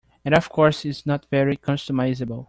And of course, it's not very customizable.